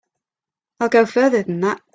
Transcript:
I'll go further than that.